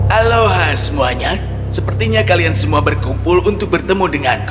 aloha semuanya sepertinya kalian semua berkumpul untuk bertemu denganku